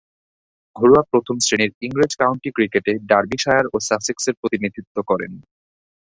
ঘরোয়া প্রথম-শ্রেণীর ইংরেজ কাউন্টি ক্রিকেটে ডার্বিশায়ার ও সাসেক্সের প্রতিনিধিত্ব করেন।